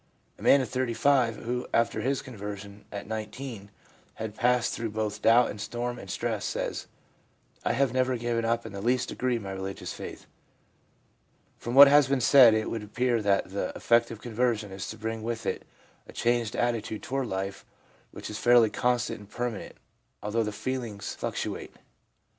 A man of 35, who, after his conversion at 19 had passed through both doubt and storm and stress, says :' I have never given up in the least degree my religious faith/ From what has been said it would appear that the effect of conversion is to bring with it a changed attitude toward life which is fairly constant and permanent, although the feelings fluctuate.